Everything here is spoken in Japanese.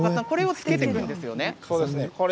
これを漬けていくんですよね。